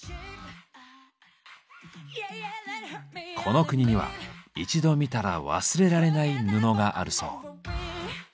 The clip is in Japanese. この国には一度見たら忘れられない布があるそう。